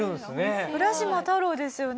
『浦島太郎』ですよね